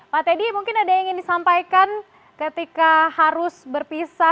pak teddy mungkin ada yang ingin disampaikan ketika harus berpisah